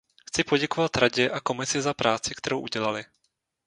Chci poděkovat Radě a Komisi za práci, kterou udělaly.